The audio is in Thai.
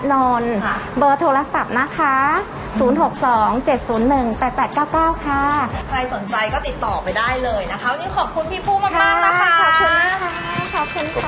ขอบคุณค่ะขอบคุณค่ะ